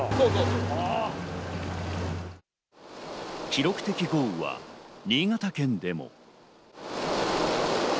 記録的豪雨は新潟県でも。